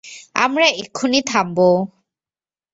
আমরা এক্ষুনি থামবো।